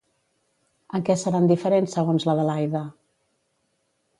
En què seran diferents segons l'Adelaida?